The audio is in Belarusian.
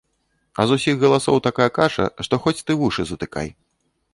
А з усіх галасоў такая каша, што хоць ты вушы затыкай.